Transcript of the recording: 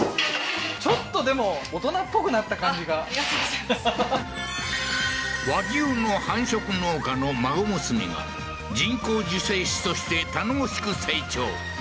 ちょっとでも大人っぽくなった感じがありがとうございます和牛の繁殖農家の孫娘が人工授精師として頼もしく成長